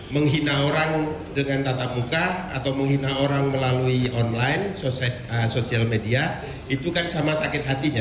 menghina orang dengan tatap muka atau menghina orang melalui online sosial media itu kan sama sakit hatinya